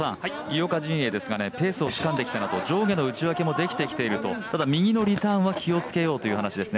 井岡陣営ですがペースをつかんできたのと上下の内ち分けもできてきていると、ただ、右のリターンは気を付けようという話です。